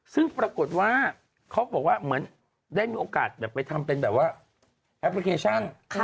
ซึ่งปรากฏว่าเขาบอกว่าเหมือนได้มีโอกาสแบบไปทำเป็นแบบว่าแอปพลิเคชัน